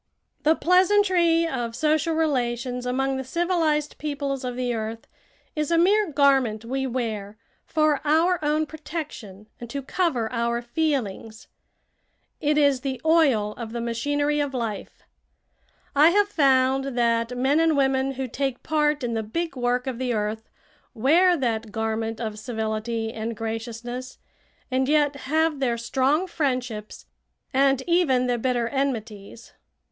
The pleasantry of social relations among the civilized peoples of the earth is a mere garment we wear for our own protection and to cover our feelings. It is the oil of the machinery of life. I have found that men and women who take part in the big work of the earth wear that garment of civility and graciousness, and yet have their strong friendships and even their bitter enmities.